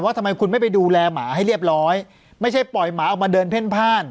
ทำไมคุณไม่ไปดูแลหมาให้เรียบร้อยไม่ใช่ปล่อยหมาออกมาเดินเพ่นพ่าน